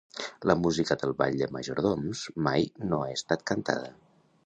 La música del ball de majordoms mai no ha estat cantada.